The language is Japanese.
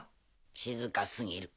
静かすぎる。